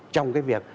trong cái việc